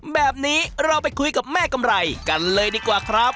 แบบนี้เราไปคุยกับแม่กำไรกันเลยดีกว่าครับ